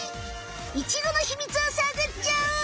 イチゴの秘密をさぐっちゃおう！